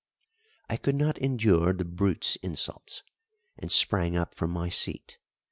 I could not endure the brute's insults, and sprang up from my seat.